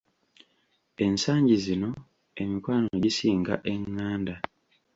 Ensangi zino emikwano gisinga eղղanda.